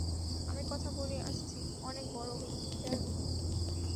আমি কথা বলে আসছি, অনেক বড় বিল্ডার উনি।